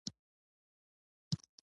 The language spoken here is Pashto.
بلد شوی وم.